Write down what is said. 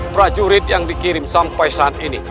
prajurit yang dikirim sampai saat ini